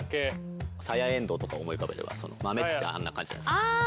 さやえんどうとか思い浮かべれば豆ってあんな感じじゃないですか。